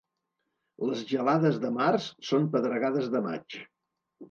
Les gelades de març són pedregades de maig.